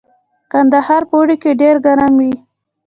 کندهار په اوړي کې ډیر ګرم وي